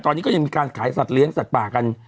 ตอนนี้ก็ยังมีการขายสัตว์เลี้ยงสัตว์ป่ากัน